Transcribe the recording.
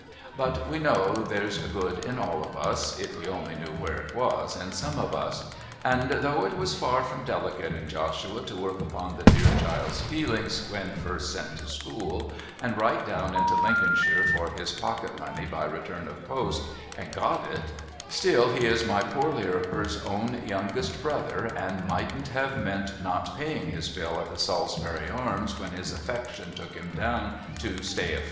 But we know there's good in all of us, — if we only knew where it was in some of us, — and though it was far from delicate in Joshua to work upon the dear child's feelings when first sent to school and write down into Lincolnshire for his pocket money by return of post and got it, still he is my poor Lirriper's own youngest brother and mightn't have meant not paying his bill at the Salisbury Arms when his affection took him down to stay a THE MAJOR AND MR.